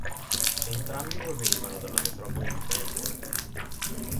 Entrambi provenivano dalla metropoli di Melbourne.